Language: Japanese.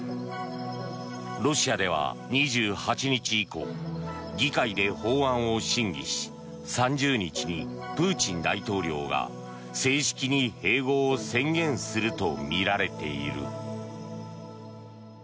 ロシアでは２８日以降議会で法案を審議し３０日にプーチン大統領が正式に併合を宣言するとみられている。